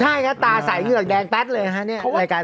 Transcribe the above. ใช่นะตาใส่เหลืองแดงแป๊ดเลยนี่รายการสด